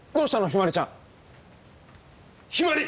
ひまりちゃん。ひまり！